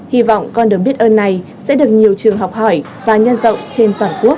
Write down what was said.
hy vọng con đường biết ơn này sẽ được nhiều trường học hỏi và nhân rộng trên toàn quốc